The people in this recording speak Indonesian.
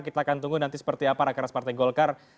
kita akan tunggu nanti seperti apa rakeras partai golkar